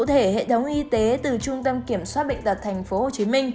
hệ thống y tế từ trung tâm kiểm soát bệnh tật tp hcm